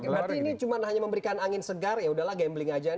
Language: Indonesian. berarti ini hanya memberikan angin segar yaudahlah gambling saja